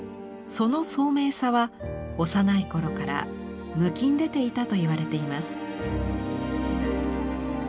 その聡明さは幼い頃からぬきんでていたといわれています。